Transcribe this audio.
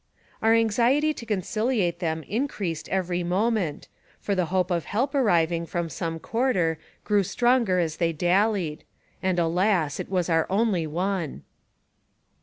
Our anxiety to conciliate them increased every mo ment, for the hope of help arriving from some quarter grew stronger as they dallied, and, alas ! it was our only one.